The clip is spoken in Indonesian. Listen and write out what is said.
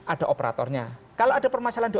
ada operatornya kalau ada permasalahan